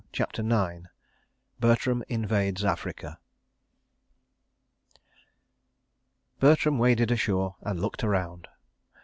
CHAPTER IX Bertram Invades Africa Bertram waded ashore and looked around.